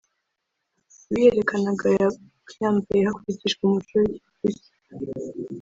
uwiyerekanaga yabaga yambaye hakurikijwe umuco w’igihugu cye